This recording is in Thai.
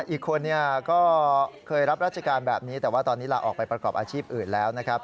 อีกคนก็เคยรับราชการแบบนี้แต่ว่าตอนนี้ลาออกไปประกอบอาชีพอื่นแล้วนะครับ